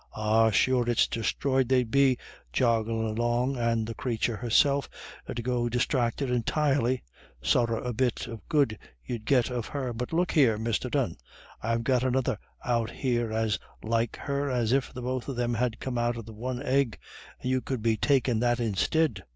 "Ah, sure, it's distroyed they'd be, jogglin' along, and the crathur herself 'ud go distracted entirely; sorra a bit of good you'd get of her. But look here, Mr. Dunne, I've got another out there as like her as if the both of them had come out of the one egg, and you could be takin' that instid.